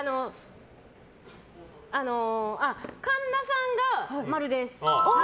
神田さんが○です。